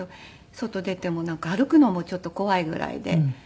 外出てもなんか歩くのもちょっと怖いぐらいで。